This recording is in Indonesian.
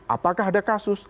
apakah ada kasus